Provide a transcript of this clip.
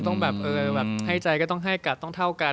ต้องแบบเออแบบให้ใจก็ต้องให้กัดต้องเท่ากัน